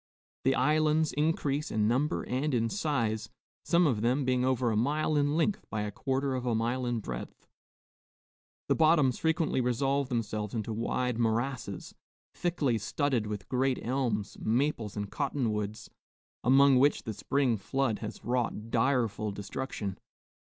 The islands increase in number and in size, some of them being over a mile in length by a quarter of a mile in breadth; the bottoms frequently resolve themselves into wide morasses, thickly studded with great elms, maples, and cotton woods, among which the spring flood has wrought direful destruction.